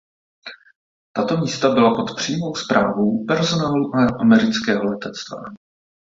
Tato místa byla pod přímou správou personálu amerického letectva.